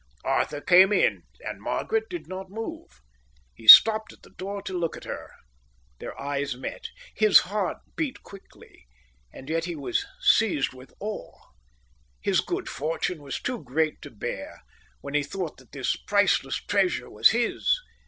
Arthur came in, and Margaret did not move. He stopped at the door to look at her. Their eyes met. His heart beat quickly, and yet he was seized with awe. His good fortune was too great to bear, when he thought that this priceless treasure was his.